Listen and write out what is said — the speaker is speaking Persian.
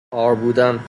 هار بودن